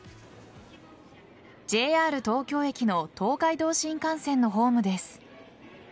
ＪＲ東京駅の東海道新幹線のホームです。